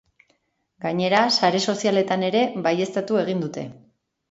Gainera, sare sozialetan ere baieztatu egin dute.